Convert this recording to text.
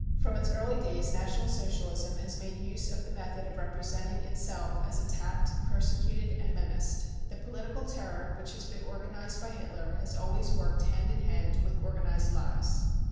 From its early days National Socialism has made use of the method of representing itself as attacked, persecuted and menaced. The political terror which has been organised by Hitler has always worked hand in hand with organised lies.